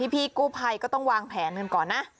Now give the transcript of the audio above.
พี่กู้ภัยก็ต้องวางแผนกันก่อนนะ